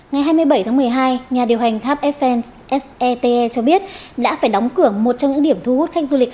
ngày hai mươi bảy tháng một mươi hai nhà điều hành tháp eiffel sete cho biết đã phải đóng cửa một trong những điểm thu hút khách du lịch